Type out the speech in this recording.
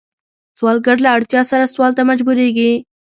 سوالګر له اړتیا سره سوال ته مجبوریږي